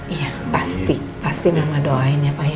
iya pasti pasti mama doain ya pak